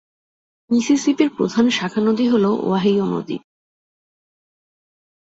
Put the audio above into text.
মিসিসিপির প্রধান শাখা নদী হল ওহাইও নদী।